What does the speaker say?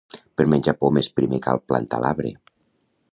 Per menjar pomes primer cal plantar l'arbre